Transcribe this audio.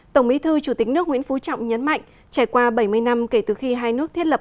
tổng bí thư chủ tịch nước nguyễn phú trọng nhấn mạnh trải qua bảy mươi năm kể từ khi hai nước thiết lập